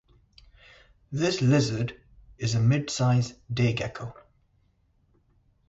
This lizard is a mid-size day gecko.